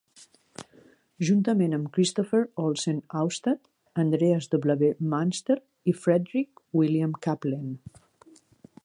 Juntament amb Kristoffer Olsen Oustad, Andreas W. Munster i Frederick William Cappelen.